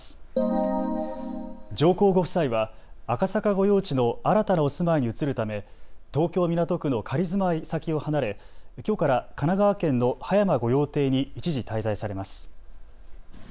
上皇ご夫妻は赤坂御用地の新たなお住まいに移るため東京港区の仮住まい先を離れ、きょうから神奈川県の葉山御用邸に一時、滞在されます。